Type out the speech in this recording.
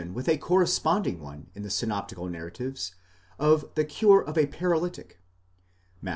with a corresponding one in the synoptical narratives of the cure of a paralytic (Matt.